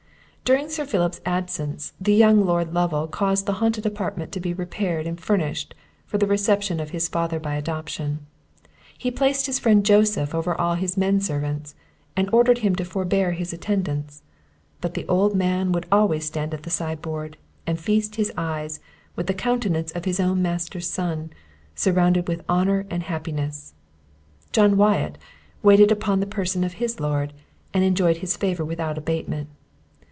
During Sir Philip's absence, the young Lord Lovel caused the haunted apartment to be repaired and furnished for the reception of his father by adoption. He placed his friend Joseph over all his men servants, and ordered him to forbear his attendance; but the old man would always stand at the side board, and feast his eyes with the countenance of his own master's son, surrounded with honour and happiness. John Wyatt waited upon the person of his lord, and enjoyed his favour without abatement.